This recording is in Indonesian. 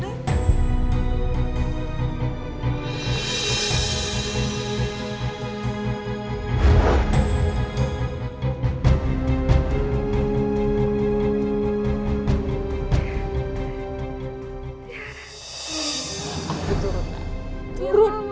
aku turun nanda